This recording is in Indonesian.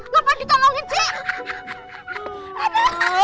kenapa ditolongin sih